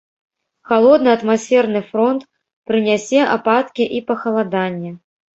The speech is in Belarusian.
Халодны атмасферны фронт прынясе ападкі і пахаладанне.